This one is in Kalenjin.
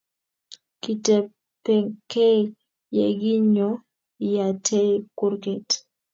kitepekei yekingoyatei kurget